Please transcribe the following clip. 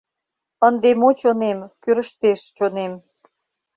Ынде мо чонем, кӱрыштеш чонем?